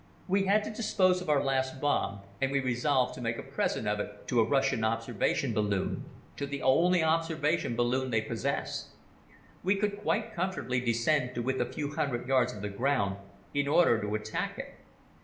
We had to dispose of our last bomb and we resolved to make a present of it to a Russian observation balloon, to the only observation balloon they possessed. We could quite comfortably descend to within a few hundred yards of the ground in order to attack it.